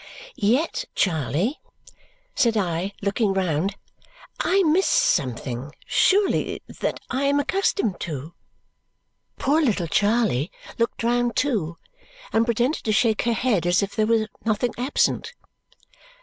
"Yet, Charley," said I, looking round, "I miss something, surely, that I am accustomed to?" Poor little Charley looked round too and pretended to shake her head as if there were nothing absent.